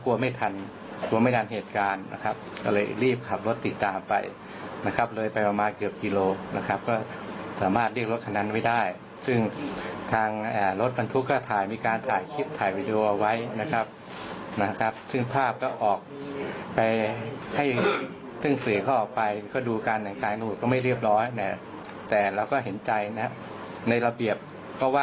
ไม่ทันกลัวไม่ทันเหตุการณ์นะครับก็เลยรีบขับรถติดตามไปนะครับเลยไปประมาณเกือบกิโลนะครับก็สามารถเรียกรถคันนั้นไว้ได้ซึ่งทางรถบรรทุกก็ถ่ายมีการถ่ายคลิปถ่ายวีดีโอเอาไว้นะครับนะครับซึ่งภาพก็ออกไปให้ซึ่งสื่อเขาออกไปก็ดูการแต่งกายนู่นก็ไม่เรียบร้อยนะแต่เราก็เห็นใจนะในระเบียบก็ว